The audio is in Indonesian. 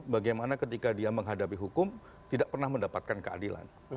bagaimana ketika dia menghadapi hukum tidak pernah mendapatkan keadilan